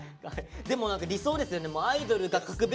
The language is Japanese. でも何か理想ですよね。